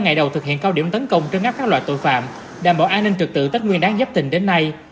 một mươi năm ngày đầu thực hiện cao điểm tấn công trên ngắp các loại tội phạm đảm bảo an ninh trực tự tất nguyên đáng giáp tình đến nay